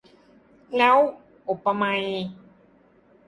แล้ว อุปไมย